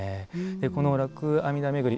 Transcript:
この洛陽阿弥陀巡り